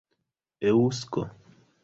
eŭsko